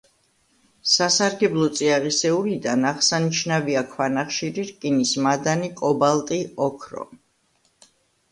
სასარგებლო წიაღისეულიდან აღსანიშნავია ქვანახშირი, რკინის მადანი, კობალტი, ოქრო.